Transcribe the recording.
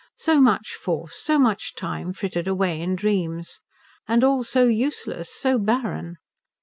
So much force, so much time frittered away in dreams. And all so useless, so barren.